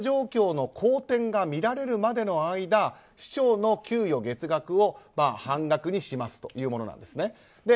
財政状況の好転が見られるまでの間市長の給与月額を半額にしますというものです。